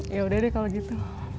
ya udah deh kalau gitu